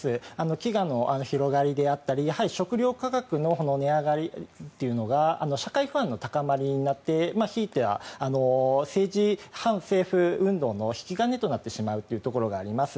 飢餓の広がりであったり食糧価格の値上がりであったりというのが社会不安の高まりになってひいては反政府運動の引き金となってしまうというところがあります。